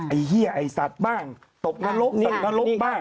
ไอ้เฮียไอ้สัตว์บ้างตกตะลกสัตว์ตะลกบ้าง